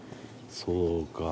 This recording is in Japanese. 「そうか」